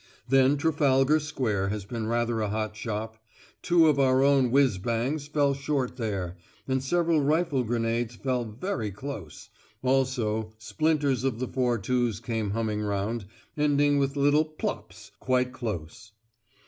Then Trafalgar Square has been rather a hot shop: two of our own whizz bangs fell short there, and several rifle grenades fell very close also, splinters of the 4·2's came humming round, ending with little plops quite close.